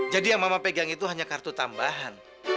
jadi yang mama pegang itu hanya kartu tambahan